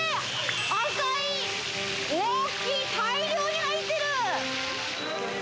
赤い大きい大量に入ってる！